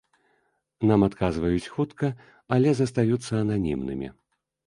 Нам адказваюць хутка, але застаюцца ананімнымі.